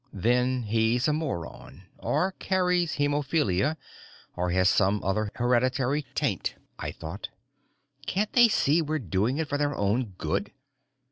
Then he's a moron, or carries hemophilia, or has some other hereditary taint, I thought. _Can't they see we're doing it for their own good?